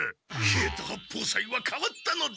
稗田八方斎はかわったのだ！